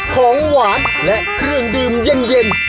ของหวานและเครื่องดื่มเย็น